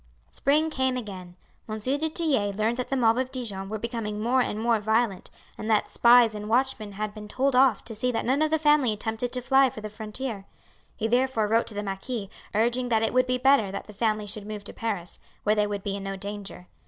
Spring came again. M. du Tillet learned that the mob of Dijon were becoming more and more violent, and that spies and watchmen had been told off to see that none of the family attempted to fly for the frontier. He therefore wrote to the marquis urging that it would be better that the family should move to Paris, where they would be in no danger.